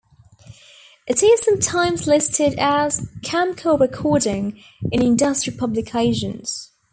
It is sometimes listed as "Camcor Recording" in industry publications.